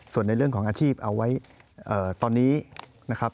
ส่วนในเรื่องของอาชีพเอาไว้ตอนนี้นะครับ